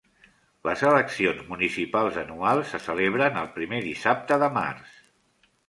Les eleccions municipals anuals se celebren el primer dissabte de març.